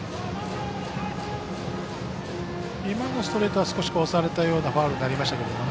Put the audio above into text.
今のストレートは押されたようなファウルになりましたけどもね。